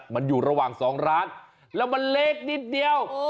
มันอยู่ระหว่าง๒ร้านแล้วมันเล็กนิดเดียว